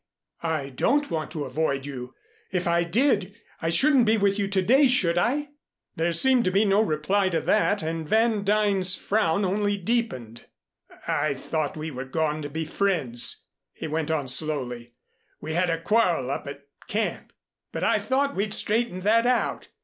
"I don't want to avoid you. If I did, I shouldn't be with you to day, should I?" There seemed to be no reply to that and Van Duyn's frown only deepened. "I thought we were goin' to be friends," he went on slowly. "We had a quarrel up at camp, but I thought we'd straightened that out.